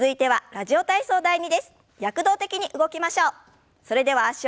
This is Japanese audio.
「ラジオ体操第２」。